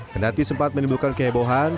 kenati sempat menimbulkan kehebohan